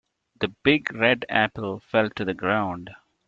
The big red apple fell to the ground.